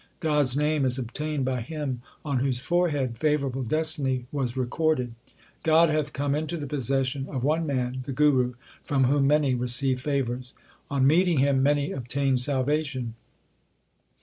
God s name is obtained by him on whose forehead favour able destiny was recorded. God hath come into the possession of one man, the Guru, from whom many receive favours. On meeting him many obtain salvation.